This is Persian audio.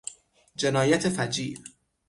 جنایت فجیع